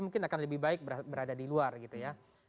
mungkin akan lebih baik berada di luar gitu ya